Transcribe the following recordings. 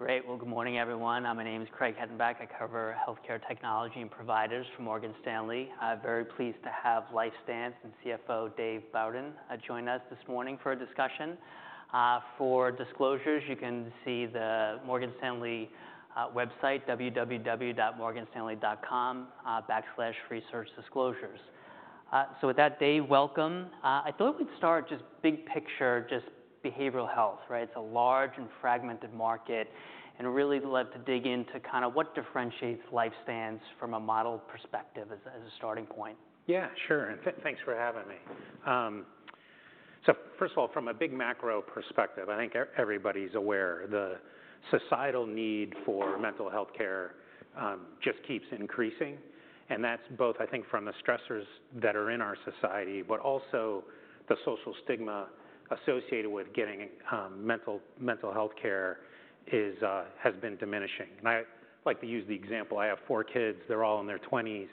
Great! Well, good morning, everyone. My name is. I cover healthcare technology and providers for Morgan Stanley. I'm very pleased to have LifeStance and CFO Dave Bourdon join us this morning for a discussion. For disclosures, you can see the Morgan Stanley website, www.morganstanley.com, backslash research disclosures. So with that, Dave, welcome. I thought we'd start just big picture, just behavioral health, right? It's a large and fragmented market, and really love to dig into kind of what differentiates LifeStance from a model perspective as a starting point. Yeah, sure. Thanks for having me, so first of all, from a big macro perspective, I think everybody's aware the societal need for mental health care just keeps increasing, and that's both, I think, from the stressors that are in our society, but also the social stigma associated with getting mental health care has been diminishing, and I like to use the example, I have four kids, they're all in their twenties,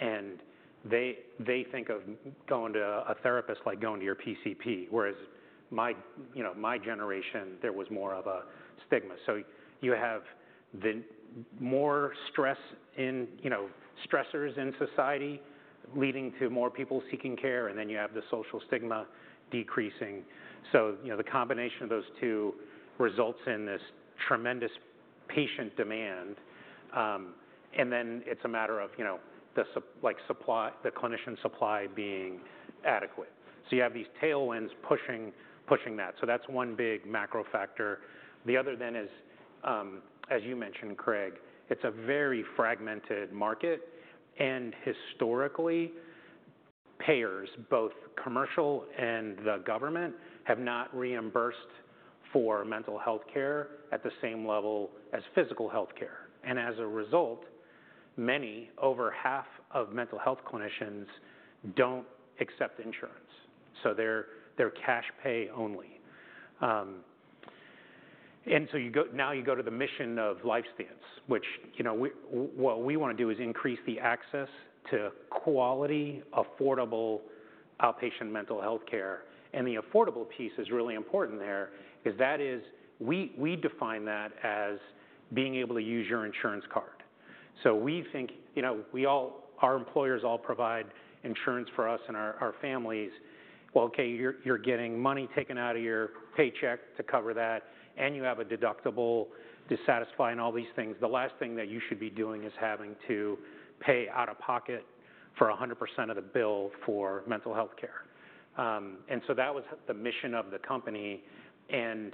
and they think of going to a therapist like going to your PCP, whereas my, you know, my generation, there was more of a stigma, so you have the more stress in, you know, stressors in society, leading to more people seeking care, and then you have the social stigma decreasing. So, you know, the combination of those two results in this tremendous patient demand, and then it's a matter of, you know, the supply, the clinician supply being adequate. So you have these tailwinds pushing that. So that's one big macro factor. The other then is, as you mentioned, Craig, it's a very fragmented market, and historically, payers, both commercial and the government, have not reimbursed for mental health care at the same level as physical health care. And as a result, many, over half of mental health clinicians don't accept insurance, so they're cash pay only. And so now you go to the mission of LifeStance, which, you know, what we wanna do is increase the access to quality, affordable outpatient mental health care. The affordable piece is really important there, is that we define that as being able to use your insurance card. So we think, you know, we all, our employers all provide insurance for us and our families. Well, okay, you're getting money taken out of your paycheck to cover that, and you have a deductible, dissatisfying all these things. The last thing that you should be doing is having to pay out of pocket for 100% of the bill for mental health care. And so that was the mission of the company, and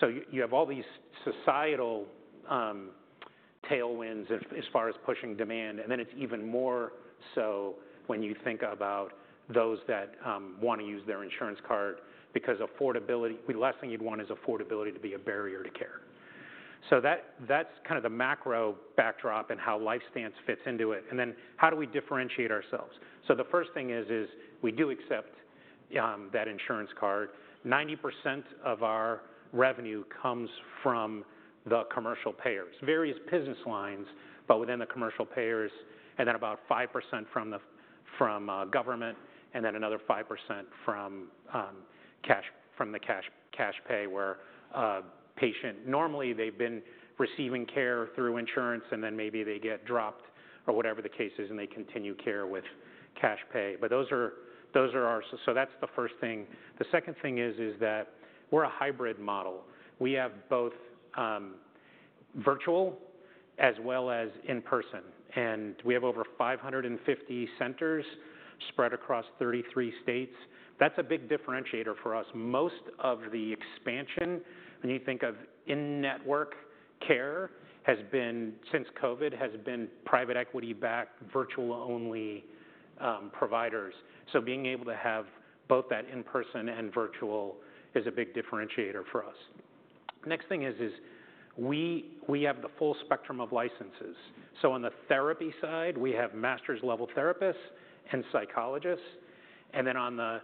so you have all these societal tailwinds as far as pushing demand, and then it's even more so when you think about those that want to use their insurance card, because affordability, the last thing you'd want is affordability to be a barrier to care. So, that's kind of the macro backdrop and how LifeStance fits into it, and then how do we differentiate ourselves, so the first thing is we do accept that insurance card. 90% of our revenue comes from the commercial payers, various business lines, but within the commercial payers, and then about 5% from the government, and then another 5% from cash pay, where a patient, normally, they've been receiving care through insurance, and then maybe they get dropped or whatever the case is, and they continue care with cash pay. But those are our, so that's the first thing. The second thing is that we're a hybrid model. We have both virtual as well as in-person, and we have over 550 centers spread across 33 states. That's a big differentiator for us. Most of the expansion, when you think of in-network care, has been since COVID, private equity-backed, virtual-only providers. So being able to have both that in-person and virtual is a big differentiator for us. Next thing is, we have the full spectrum of licenses. So on the therapy side, we have master's level therapists and psychologists, and then on the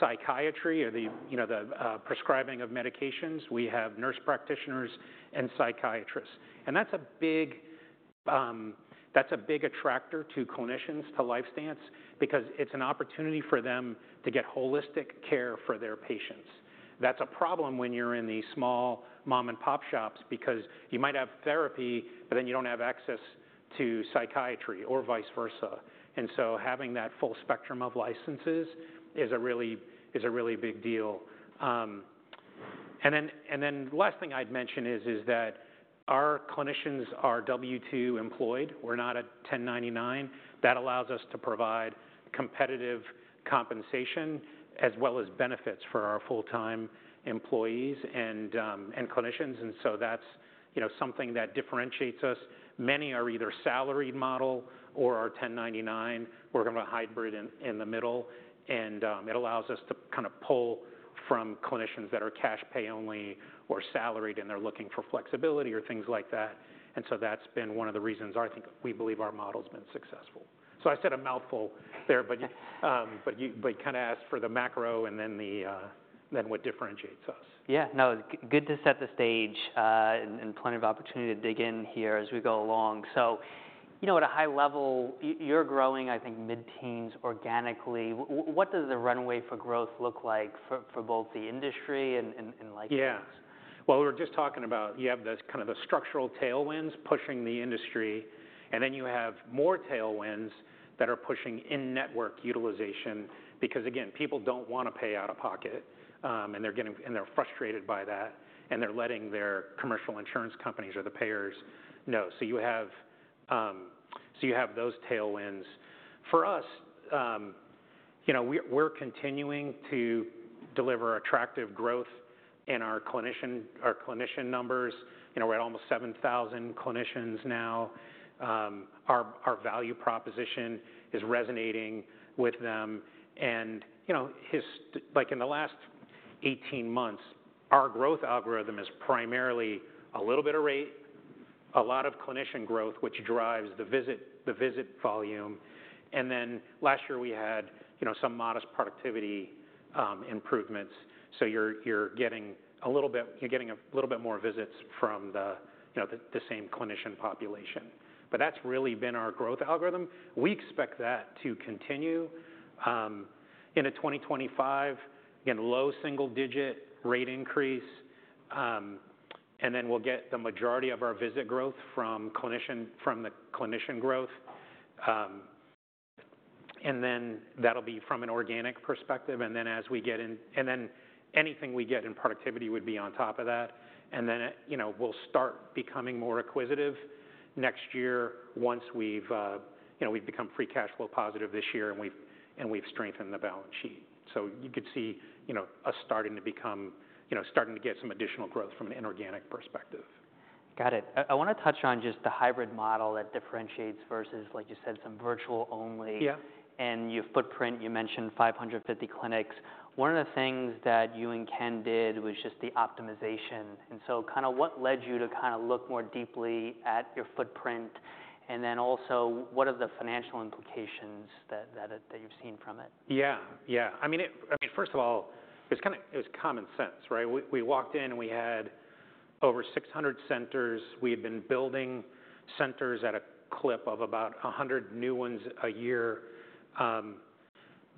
psychiatry or the, you know, the prescribing of medications, we have nurse practitioners and psychiatrists. And that's a big attractor to clinicians to LifeStance, because it's an opportunity for them to get holistic care for their patients. That's a problem when you're in these small mom-and-pop shops, because you might have therapy, but then you don't have access to psychiatry or vice versa. And so having that full spectrum of licenses is a really big deal. And then the last thing I'd mention is that our clinicians are W-2 employed. We're not a 1099. That allows us to provide competitive compensation as well as benefits for our full-time employees and clinicians, and so that's, you know, something that differentiates us. Many are either salaried model or are 1099. We're kind of a hybrid in the middle, and it allows us to kind of pull from clinicians that are cash pay only or salaried, and they're looking for flexibility or things like that. And so that's been one of the reasons I think we believe our model's been successful. I said a mouthful there, but you kinda asked for the macro and then what differentiates us. Yeah. No, good to set the stage, and plenty of opportunity to dig in here as we go along. So, you know, at a high level, you're growing, I think, mid-teens organically. What does the runway for growth look like for both the industry and LifeStance? Yeah. Well, we were just talking about, you have those kind of the structural tailwinds pushing the industry, and then you have more tailwinds that are pushing in-network utilization. Because, again, people don't wanna pay out of pocket, and they're frustrated by that, and they're letting their commercial insurance companies or the payers know. So you have those tailwinds. For us, you know, we're continuing to deliver attractive growth in our clinician numbers. You know, we're at almost 7,000 clinicians now. Our value proposition is resonating with them. And, you know, like, in the last 18 months, our growth algorithm is primarily a little bit of rate, a lot of clinician growth, which drives the visit volume, and then last year we had, you know, some modest productivity improvements. You're getting a little bit more visits from the, you know, the same clinician population. That's really been our growth algorithm. We expect that to continue into 2025, again, low single-digit rate increase, and then we'll get the majority of our visit growth from the clinician growth. That'll be from an organic perspective, and then anything we get in productivity would be on top of that. We'll start becoming more acquisitive next year once we've, you know, we've become free cash flow positive this year, and we've strengthened the balance sheet. You could see, you know, us starting to become, you know, starting to get some additional growth from an inorganic perspective. Got it. I wanna touch on just the hybrid model that differentiates versus, like you said, some virtual only. Yeah. Your footprint, you mentioned 550 clinics. One of the things that you and Ken did was just the optimization, and so kinda what led you to kinda look more deeply at your footprint? And then also, what are the financial implications that you've seen from it? Yeah. Yeah. I mean, first of all, it was common sense, right? We walked in, and we had over 600 centers. We had been building centers at a clip of about 100 new ones a year,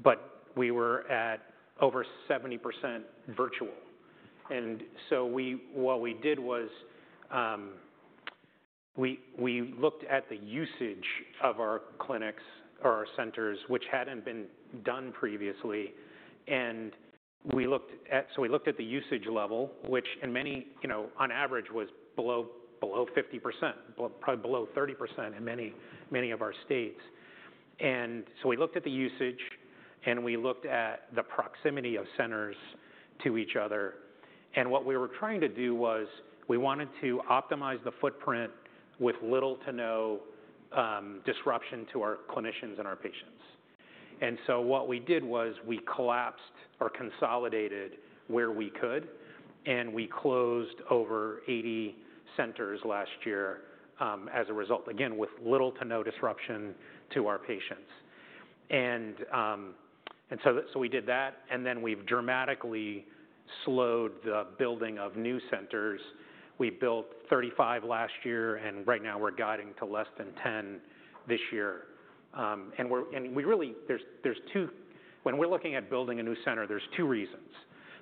but we were at over 70% virtual. And so what we did was, we looked at the usage of our clinics or our centers, which hadn't been done previously, and so we looked at the usage level, which in many, you know, on average, was below, below 50%, probably below 30% in many, many of our states. And so we looked at the usage, and we looked at the proximity of centers to each other, and what we were trying to do was we wanted to optimize the footprint with little to no disruption to our clinicians and our patients. And so what we did was we collapsed or consolidated where we could, and we closed over 80 centers last year, as a result, again, with little to no disruption to our patients. And so we did that, and then we've dramatically slowed the building of new centers. We built 35 last year, and right now we're guiding to less than 10 this year. When we're looking at building a new center, there's two reasons.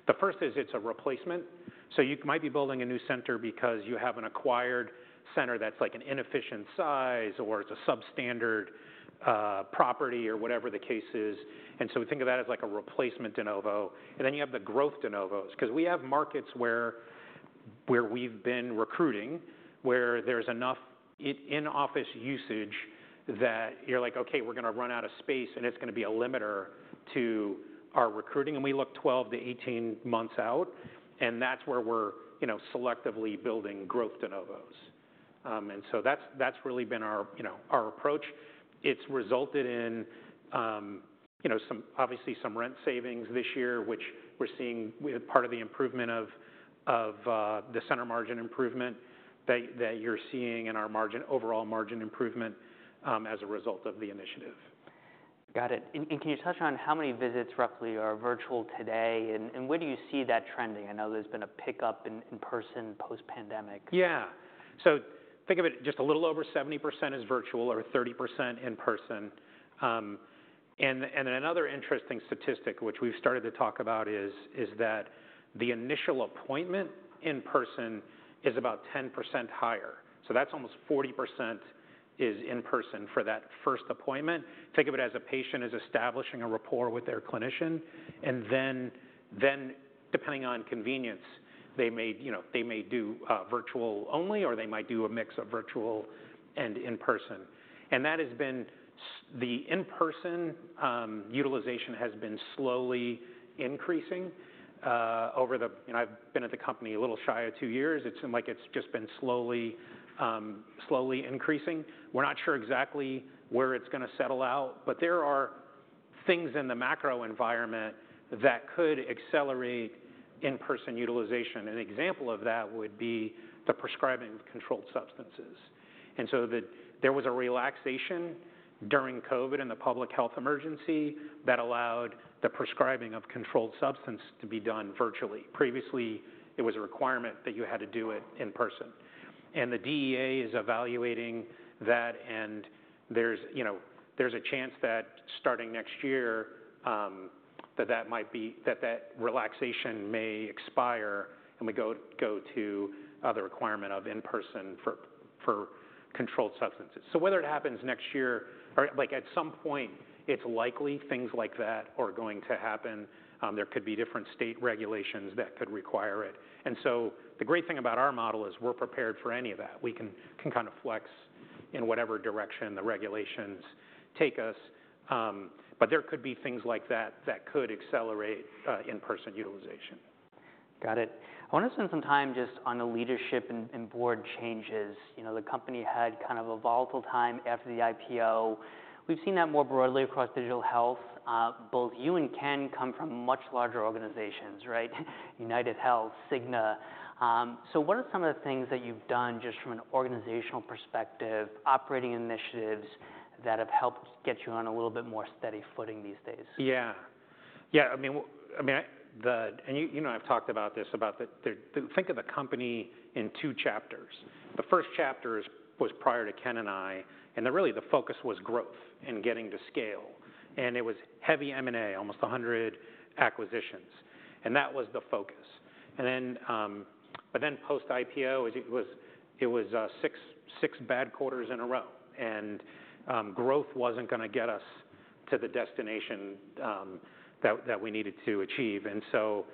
The first is it's a replacement, so you might be building a new center because you have an acquired center that's, like, an inefficient size or it's a substandard property, or whatever the case is, and so we think of that as, like, a replacement de novo. And then you have the growth de novos, 'cause we have markets where we've been recruiting, where there's enough in-office usage that you're like: "Okay, we're gonna run out of space, and it's gonna be a limiter to our recruiting." And we look 12-18 months out, and that's where we're, you know, selectively building growth de novos. And so that's really been our, you know, our approach. It's resulted in, you know, some, obviously some rent savings this year, which we're seeing with part of the improvement of the center margin improvement that you're seeing in our margin overall margin improvement, as a result of the initiative. Got it. And can you touch on how many visits, roughly, are virtual today, and where do you see that trending? I know there's been a pickup in-person post-pandemic. Yeah. So think of it, just a little over 70% is virtual or 30% in person. And another interesting statistic, which we've started to talk about, is that the initial appointment in person is about 10% higher, so that's almost 40% is in person for that first appointment. Think of it as a patient is establishing a rapport with their clinician, and then, depending on convenience, they may, you know, they may do virtual only, or they might do a mix of virtual and in person. And that has been. The in-person utilization has been slowly increasing over the. You know, I've been at the company a little shy of two years. It seems like it's just been slowly increasing. We're not sure exactly where it's gonna settle out, but there are things in the macro environment that could accelerate in-person utilization. An example of that would be the prescribing of controlled substances. And so there was a relaxation during COVID and the public health emergency that allowed the prescribing of controlled substance to be done virtually. Previously, it was a requirement that you had to do it in person. And the DEA is evaluating that, and there's, you know, there's a chance that starting next year that might be, that relaxation may expire and we go to the requirement of in-person for controlled substances. So whether it happens next year or like at some point, it's likely things like that are going to happen. There could be different state regulations that could require it. And so the great thing about our model is we're prepared for any of that. We can kind of flex in whatever direction the regulations take us. But there could be things like that that could accelerate in-person utilization. Got it. I wanna spend some time just on the leadership and board changes. You know, the company had kind of a volatile time after the IPO. We've seen that more broadly across digital health. Both you and Ken come from much larger organizations, right? UnitedHealth, Cigna. So what are some of the things that you've done, just from an organizational perspective, operating initiatives, that have helped get you on a little bit more steady footing these days? Yeah. Yeah, I mean, I mean, the... And you know, I've talked about this, about the think of the company in two chapters. The first chapter was prior to Ken and I, and really the focus was growth and getting to scale, and it was heavy M&A, almost 100 acquisitions, and that was the focus. And then, but then post-IPO, it was six bad quarters in a row, and growth wasn't gonna get us to the destination, that we needed to achieve. And so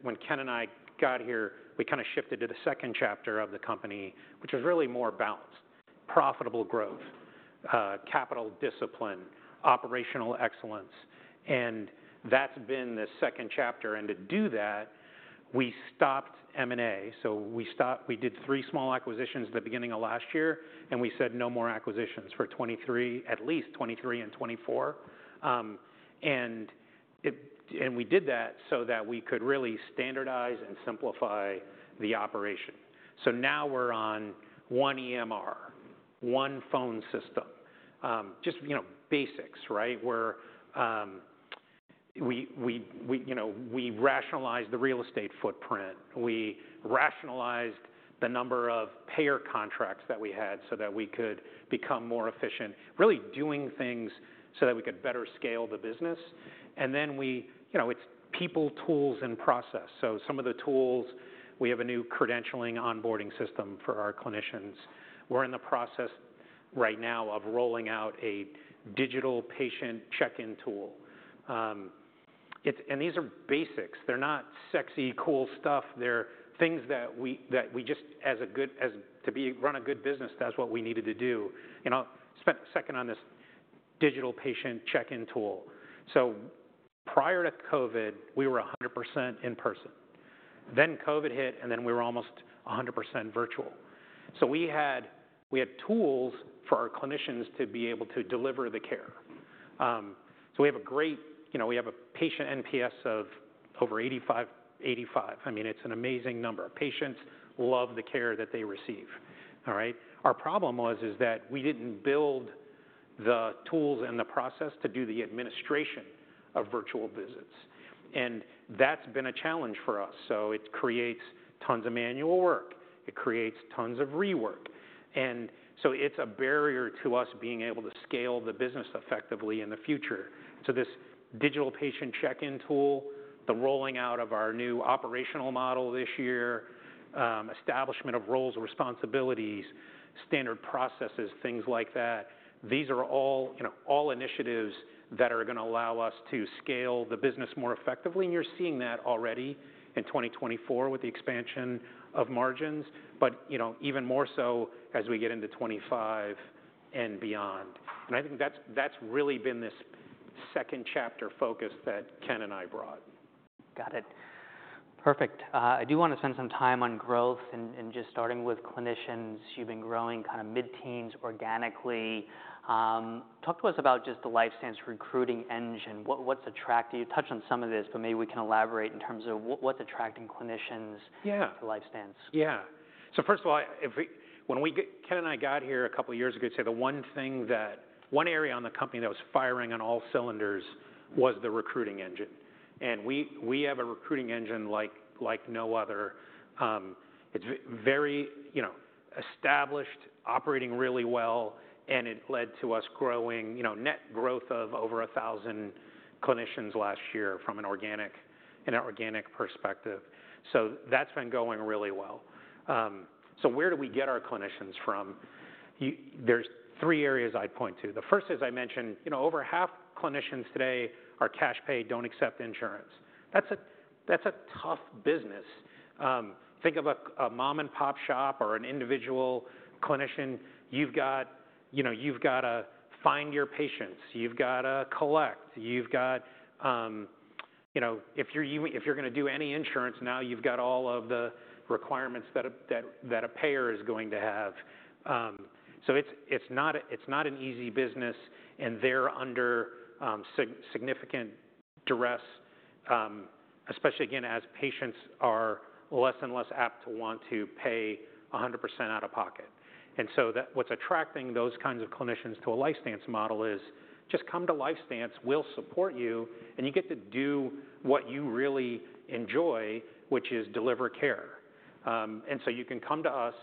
when Ken and I got here, we kinda shifted to the second chapter of the company, which was really more balanced: profitable growth, capital discipline, operational excellence, and that's been the second chapter. And to do that, we stopped M&A. So we stopped. We did three small acquisitions at the beginning of last year, and we said, "No more acquisitions for 2023, at least 2023 and 2024." And we did that so that we could really standardize and simplify the operation. So now we're on one EMR, one phone system. Just, you know, basics, right? We, you know, we rationalized the real estate footprint. We rationalized the number of payer contracts that we had so that we could become more efficient, really doing things so that we could better scale the business. And then, you know, it's people, tools, and process. So some of the tools, we have a new credentialing onboarding system for our clinicians. We're in the process right now of rolling out a digital patient check-in tool. And these are basics. They're not sexy, cool stuff. They're things that we, that we just, as a good—as to be, run a good business, that's what we needed to do. I'll spend a second on this digital patient check-in tool. Prior to COVID, we were 100% in person. COVID hit, and we were almost 100% virtual. We had tools for our clinicians to be able to deliver the care. You know, we have a patient NPS of over 85, 85. I mean, it's an amazing number. Patients love the care that they receive, all right? Our problem was, is that we didn't build the tools and the process to do the administration of virtual visits, and that's been a challenge for us. So it creates tons of manual work, it creates tons of rework, and so it's a barrier to us being able to scale the business effectively in the future. So this digital patient check-in tool, the rolling out of our new operational model this year, establishment of roles and responsibilities, standard processes, things like that, these are all, you know, all initiatives that are gonna allow us to scale the business more effectively. And you're seeing that already in 2024 with the expansion of margins, but, you know, even more so as we get into 2025 and beyond. And I think that's really been this second chapter focus that Ken and I brought. Got it. Perfect. I do wanna spend some time on growth and just starting with clinicians. You've been growing kind of mid-teens organically. Talk to us about just the LifeStance recruiting engine. What, what's attracting... You touched on some of this, but maybe we can elaborate in terms of what, what's attracting clinicians- Yeah... to LifeStance? Yeah. So first of all, when Ken and I got here a couple of years ago, I'd say the one area in the company that was firing on all cylinders was the recruiting engine, and we have a recruiting engine like no other. It's very, you know, established, operating really well, and it led to us growing, you know, net growth of over a thousand clinicians last year from an organic perspective. So that's been going really well. So where do we get our clinicians from? There's three areas I'd point to. The first, as I mentioned, you know, over half of clinicians today are cash pay, don't accept insurance. That's a tough business. Think of a mom-and-pop shop or an individual clinician. You've got, you know, you've got to find your patients. You've got to collect. You've got, you know, if you're gonna do any insurance, now you've got all of the requirements that a payer is going to have. So it's not an easy business, and they're under significant duress, especially again, as patients are less and less apt to want to pay 100% out of pocket, and so what's attracting those kinds of clinicians to a LifeStance model is, just come to LifeStance, we'll support you, and you get to do what you really enjoy, which is deliver care, and so you can come to us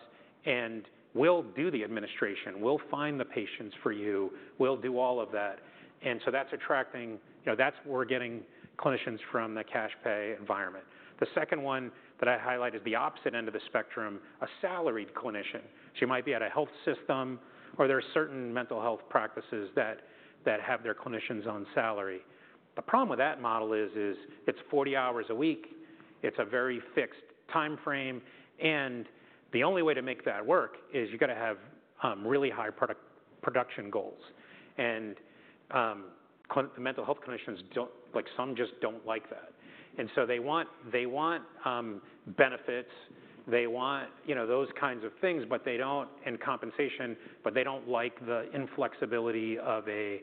and we'll do the administration, we'll find the patients for you, we'll do all of that. And so that's attracting. You know, that's where we're getting clinicians from the cash pay environment. The second one that I highlight is the opposite end of the spectrum, a salaried clinician. She might be at a health system, or there are certain mental health practices that have their clinicians on salary. The problem with that model is it's 40 hours a week. It's a very fixed timeframe, and the only way to make that work is you've got to have really high production goals. And mental health clinicians don't like that. Like, some just don't like that. And so they want benefits, they want compensation, you know, those kinds of things, but they don't like the inflexibility of a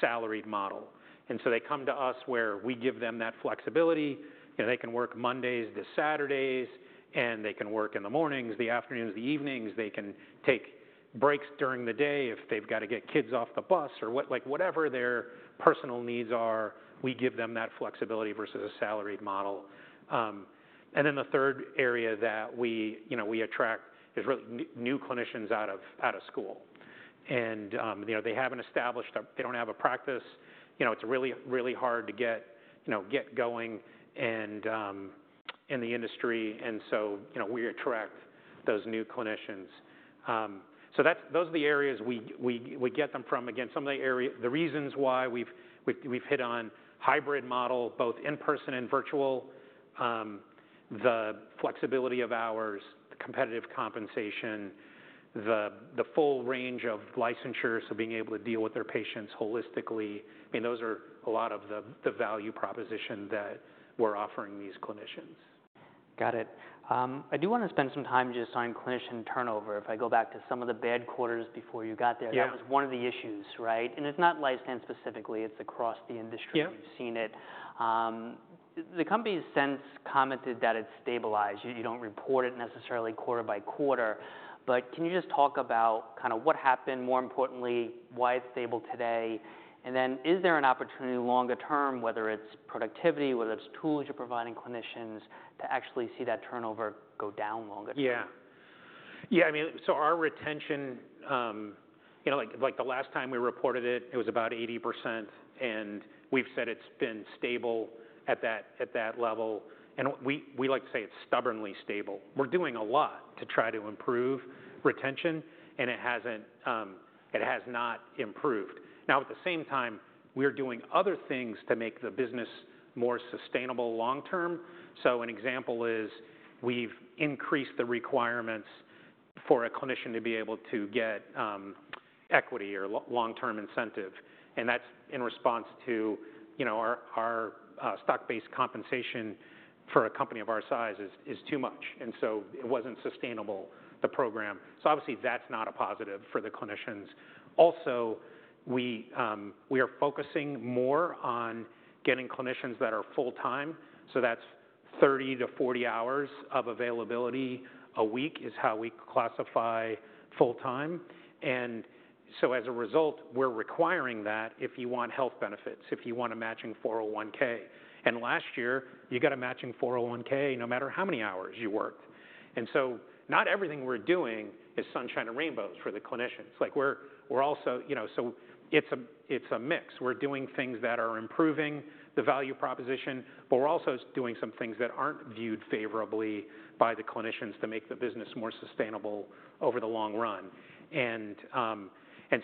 salaried model. And so they come to us where we give them that flexibility. You know, they can work Mondays to Saturdays, and they can work in the mornings, the afternoons, the evenings. They can take breaks during the day if they've got to get kids off the bus or what, like, whatever their personal needs are, we give them that flexibility versus a salaried model. And then the third area that we, you know, attract is new clinicians out of school. And you know, they haven't established a practice. They don't have a practice. You know, it's really, really hard to get, you know, get going and in the industry, and so, you know, we attract those new clinicians. So those are the areas we get them from. Again, some of the areas, the reasons why we've hit on hybrid model, both in-person and virtual, the flexibility of hours, the competitive compensation, the full range of licensure, so being able to deal with their patients holistically. I mean, those are a lot of the value proposition that we're offering these clinicians. Got it. I do want to spend some time just on clinician turnover. If I go back to some of the bad quarters before you got there- Yeah. That was one of the issues, right? And it's not LifeStance specifically, it's across the industry. Yeah... we've seen it. The company has since commented that it's stabilized. You don't report it necessarily quarter by quarter, but can you just talk about kind of what happened, more importantly, why it's stable today? And then, is there an opportunity longer term, whether it's productivity, whether it's tools you're providing clinicians, to actually see that turnover go down longer term? Yeah. Yeah, I mean, so our retention, you know, like, like the last time we reported it, it was about 80%, and we've said it's been stable at that, at that level, and we, we like to say it's stubbornly stable. We're doing a lot to try to improve retention, and it hasn't, it has not improved. Now, at the same time, we're doing other things to make the business more sustainable long-term. So an example is we've increased the requirements for a clinician to be able to get, equity or long-term incentive, and that's in response to, you know, our, our, stock-based compensation for a company of our size is, is too much, and so it wasn't sustainable, the program. So obviously, that's not a positive for the clinicians. Also, we are focusing more on getting clinicians that are full-time, so that's 30-40 hours of availability a week, is how we classify full-time. And so as a result, we're requiring that if you want health benefits, if you want a matching 401(k). And last year, you got a matching 401(k) no matter how many hours you worked. And so not everything we're doing is sunshine and rainbows for the clinicians. Like, we're also. You know, so it's a, it's a mix. We're doing things that are improving the value proposition, but we're also doing some things that aren't viewed favorably by the clinicians to make the business more sustainable over the long run. And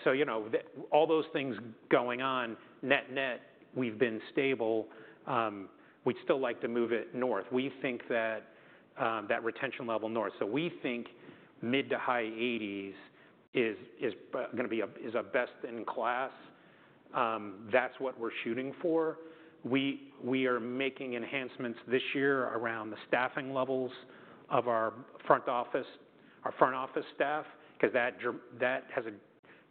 so, you know, all those things going on, net-net, we've been stable. We'd still like to move it north. We think that retention level north. So we think mid to high eighties is gonna be a best-in-class. That's what we're shooting for. We are making enhancements this year around the staffing levels of our front office, our front office staff, 'cause that has a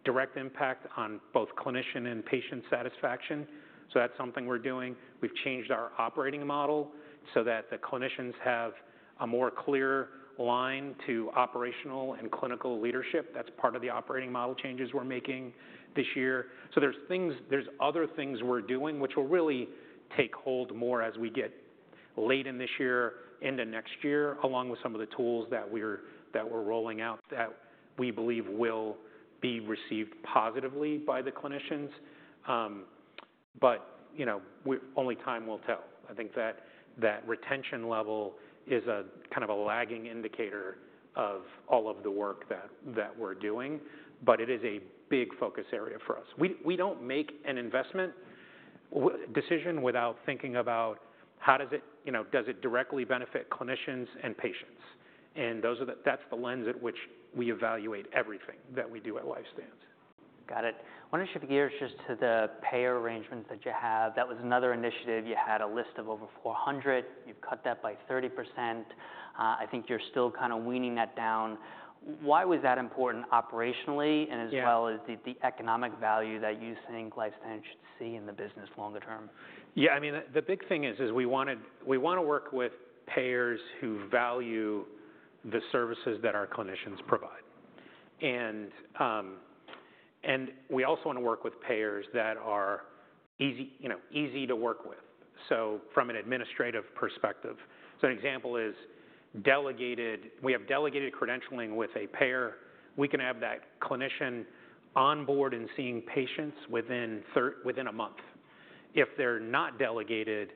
direct impact on both clinician and patient satisfaction, so that's something we're doing. We've changed our operating model so that the clinicians have a more clear line to operational and clinical leadership. That's part of the operating model changes we're making this year. So there's other things we're doing, which will really take hold more as we get late in this year, into next year, along with some of the tools that we're rolling out, that we believe will be received positively by the clinicians. But, you know, only time will tell. I think that retention level is a kind of a lagging indicator of all of the work that we're doing, but it is a big focus area for us. We don't make an investment decision without thinking about how does it. You know, does it directly benefit clinicians and patients? And that's the lens at which we evaluate everything that we do at LifeStance. Got it. I wonder if you could gear us just to the payer arrangements that you have. That was another initiative. You had a list of over 400, you've cut that by 30%. I think you're still kind of weaning that down. Why was that important operationally? Yeah... and as well as the economic value that you think LifeStance should see in the business longer term? Yeah, I mean, the big thing is we wanna work with payers who value the services that our clinicians provide, and we also want to work with payers that are easy, you know, easy to work with. So from an administrative perspective, an example is delegated credentialing. We have delegated credentialing with a payer. We can have that clinician on board and seeing patients within a month. If they're not delegated,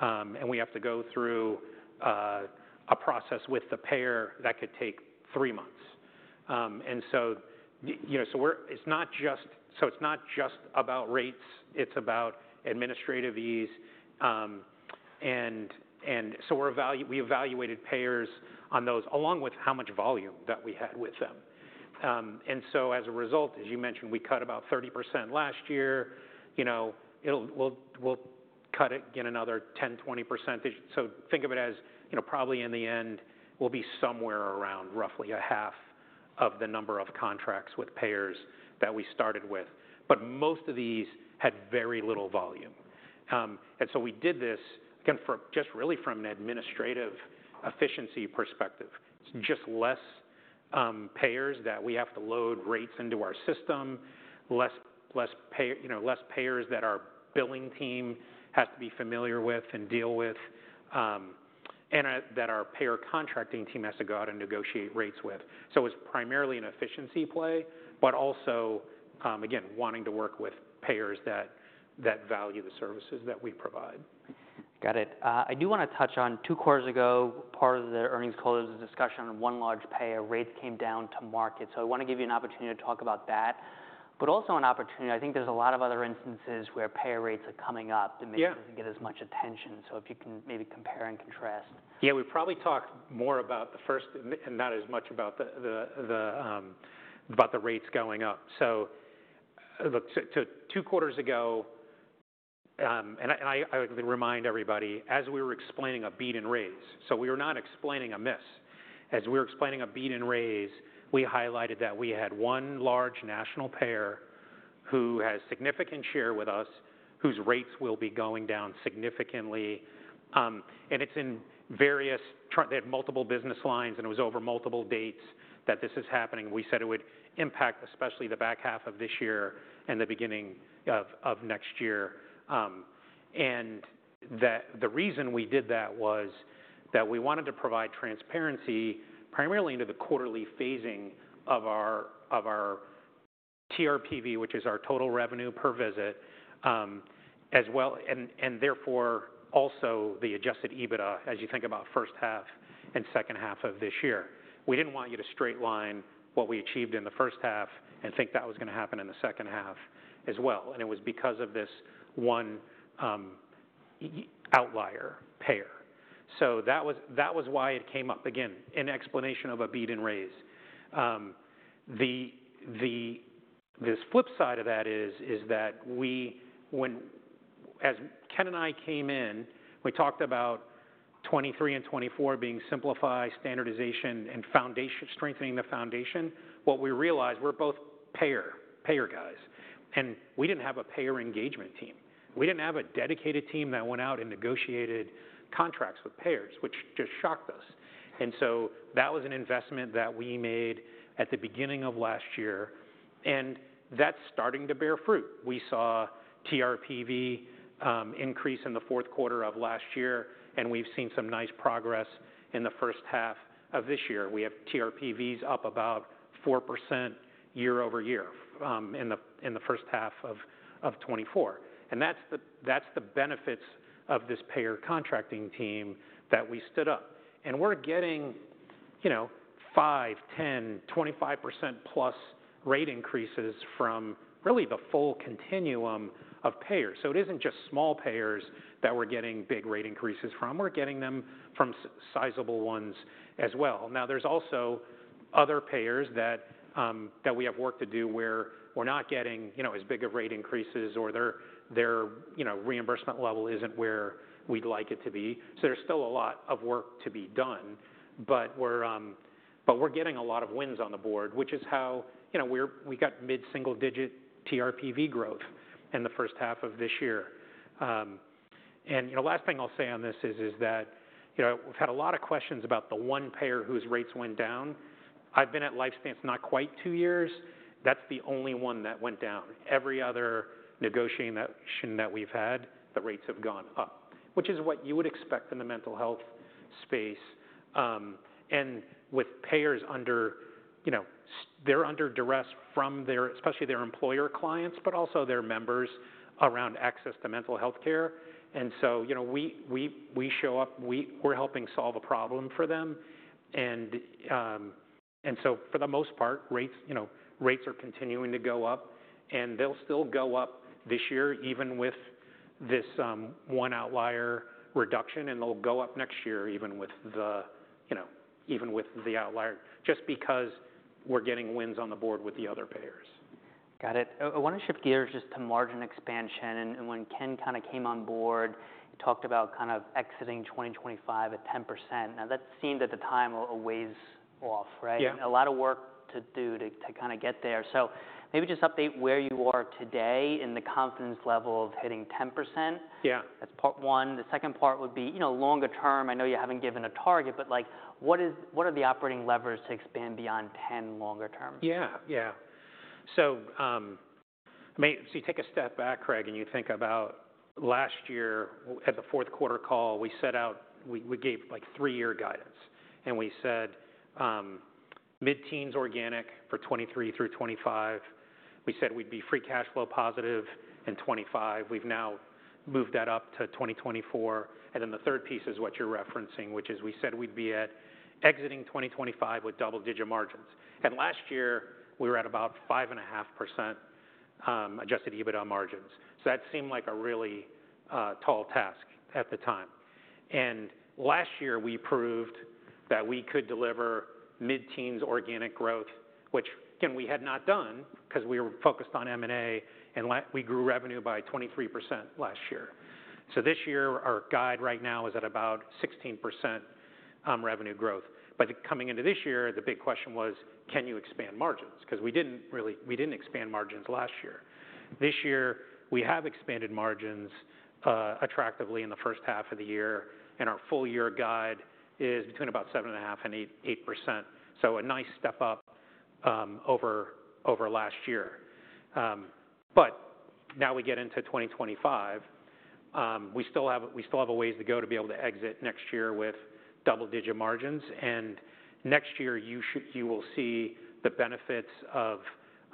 and we have to go through a process with the payer, that could take three months, and so, you know, it's not just about rates, it's about administrative ease, and so we evaluated payers on those, along with how much volume that we had with them. And so as a result, as you mentioned, we cut about 30% last year. You know, we'll cut it, get another 10-20%. So think of it as, you know, probably in the end, we'll be somewhere around roughly a half of the number of contracts with payers that we started with. But most of these had very little volume. And so we did this, again, from just really from an administrative efficiency perspective. It's just less payers that we have to load rates into our system, less payers you know, less payers that our billing team has to be familiar with and deal with, and that our payer contracting team has to go out and negotiate rates with. So it's primarily an efficiency play, but also, again, wanting to work with payers that value the services that we provide. Got it. I do want to touch on two quarters ago, part of the earnings call, there was a discussion on one large payer, rates came down to market. So I want to give you an opportunity to talk about that, but also an opportunity... I think there's a lot of other instances where payer rates are coming up- Yeah. - that maybe didn't get as much attention. So if you can maybe compare and contrast. Yeah, we probably talked more about the first and not as much about the rates going up, so look, two quarters ago, I remind everybody, as we were explaining a beat and raise, so we were not explaining a miss. As we were explaining a beat and raise, we highlighted that we had one large national payer who has significant share with us, whose rates will be going down significantly, and it's in various, they had multiple business lines, and it was over multiple dates that this is happening. We said it would impact, especially the back half of this year and the beginning of next year. The reason we did that was that we wanted to provide transparency primarily into the quarterly phasing of our TRPV, which is our total revenue per visit, as well, and therefore, also the Adjusted EBITDA, as you think about first half and second half of this year. We didn't want you to straight line what we achieved in the first half and think that was gonna happen in the second half as well, and it was because of this one outlier payer. So that was why it came up, again, an explanation of a beat and raise. This flip side of that is that we, when Ken and I came in, we talked about 2023 and 2024 being simplify, standardization, and foundation, strengthening the foundation. What we realized, we're both payer guys, and we didn't have a payer engagement team. We didn't have a dedicated team that went out and negotiated contracts with payers, which just shocked us, and so that was an investment that we made at the beginning of last year, and that's starting to bear fruit. We saw TRPV increase in the fourth quarter of last year, and we've seen some nice progress in the first half of this year. We have TRPVs up about 4% year-over-year in the first half of 2024, and that's the benefits of this payer contracting team that we stood up, and we're getting, you know, 5, 10, 25% plus rate increases from really the full continuum of payers, so it isn't just small payers that we're getting big rate increases from. We're getting them from sizable ones as well. Now, there's also other payers that we have work to do, where we're not getting, you know, as big of rate increases or their you know, reimbursement level isn't where we'd like it to be. So there's still a lot of work to be done, but we're getting a lot of wins on the board, which is how, you know, we got mid-single-digit TRPV growth in the first half of this year. And, you know, last thing I'll say on this is that, you know, we've had a lot of questions about the one payer whose rates went down. I've been at LifeStance not quite two years. That's the only one that went down. Every other negotiation that we've had, the rates have gone up, which is what you would expect in the mental health space. And with payers under, you know, they're under duress from their, especially their employer clients, but also their members around access to mental health care. And so, you know, we show up, we're helping solve a problem for them. And, and so for the most part, rates, you know, rates are continuing to go up, and they'll still go up this year, even with this, one outlier reduction, and they'll go up next year, even with the, you know, even with the outlier, just because we're getting wins on the board with the other payers. Got it. I want to shift gears just to margin expansion, and, and when Ken kind of came on board, he talked about kind of exiting 2025 at 10%. Now, that seemed at the time a ways off, right? Yeah. A lot of work to do to kind of get there. So maybe just update where you are today and the confidence level of hitting 10%. Yeah. That's part one. The second part would be, you know, longer term, I know you haven't given a target, but like, what are the operating levers to expand beyond ten longer term? Yeah. Yeah. So, I mean, so you take a step back, Craig, and you think about last year at the fourth quarter call, we set out. We gave, like, three-year guidance, and we said, mid-teens organic for 2023 through 2025. We said we'd be free cash flow positive in 2025. We've now moved that up to twenty twenty-four. And then the third piece is what you're referencing, which is we said we'd be at exiting twenty twenty-five with double-digit margins. And last year, we were at about 5.5%, adjusted EBITDA margins. So that seemed like a really tall task at the time. And last year, we proved that we could deliver mid-teens organic growth, which, again, we had not done because we were focused on M&A, and we grew revenue by 23% last year. This year, our guide right now is at about 16% revenue growth. But coming into this year, the big question was, "Can you expand margins?" Because we didn't expand margins last year. This year, we have expanded margins attractively in the first half of the year, and our full-year guide is between about 7.5% and 8%. A nice step up over last year. But now we get into 2025, we still have a ways to go to be able to exit next year with double-digit margins. Next year, you will see the benefits of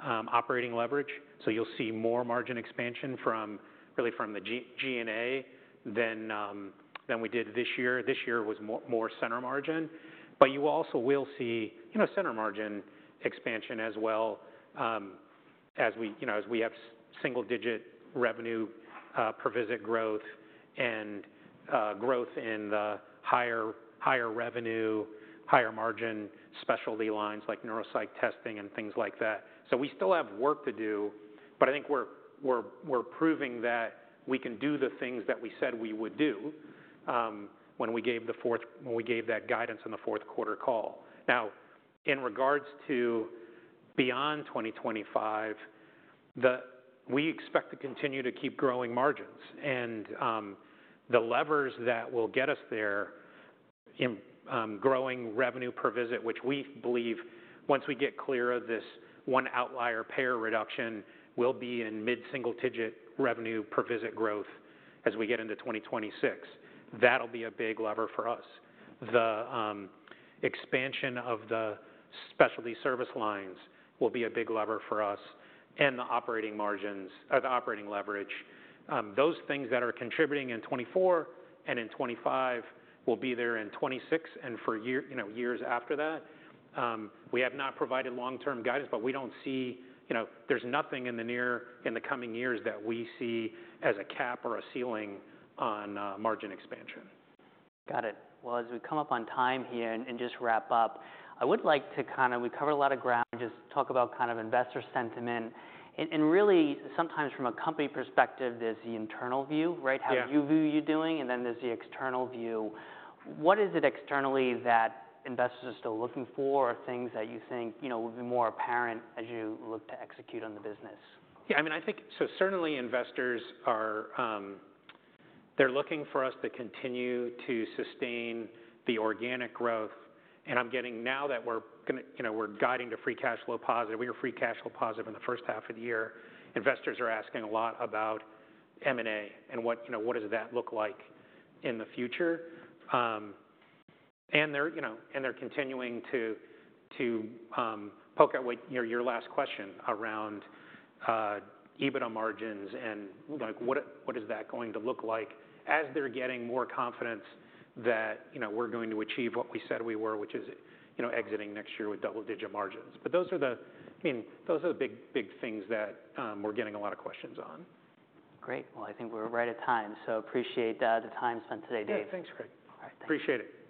operating leverage, so you'll see more margin expansion from really from the G&A than we did this year. This year was more center margin. But you also will see, you know, center margin expansion as well, as we, you know, as we have single digit revenue per visit growth and growth in the higher revenue, higher margin specialty lines, like neuropsych testing and things like that. So we still have work to do, but I think we're proving that we can do the things that we said we would do, when we gave that guidance on the fourth quarter call. Now, in regards to beyond twenty twenty-five, We expect to continue to keep growing margins, and the levers that will get us there, in growing revenue per visit, which we believe once we get clear of this one outlier payer reduction, will be in mid-single digit revenue per visit growth as we get into twenty twenty-six. That'll be a big lever for us. The expansion of the specialty service lines will be a big lever for us, and the operating margins, the operating leverage. Those things that are contributing in 2024 and in 2025 will be there in 2026 and for years, you know, years after that. We have not provided long-term guidance, but we don't see. You know, there's nothing in the near, in the coming years that we see as a cap or a ceiling on margin expansion. Got it. Well, as we come up on time here and just wrap up, I would like to kind of... We covered a lot of ground, just talk about kind of investor sentiment. And really, sometimes from a company perspective, there's the internal view, right? Yeah. How you view you're doing, and then there's the external view. What is it externally that investors are still looking for or things that you think, you know, would be more apparent as you look to execute on the business? Yeah, I mean, I think. So certainly investors are, they're looking for us to continue to sustain the organic growth. And I'm getting now that we're gonna you know, we're guiding to free cash flow positive, we were free cash flow positive in the first half of the year. Investors are asking a lot about M&A and what, you know, what does that look like in the future. And they're, you know, and they're continuing to poke at what, you know, your last question around EBITDA margins and, like, what, what is that going to look like as they're getting more confidence that, you know, we're going to achieve what we said we were, which is, you know, exiting next year with double-digit margins. But those are the... I mean, those are the big, big things that we're getting a lot of questions on. Great. Well, I think we're right at time, so appreciate the time spent today, Dave. Yeah, thanks, Craig. All right. Appreciate it.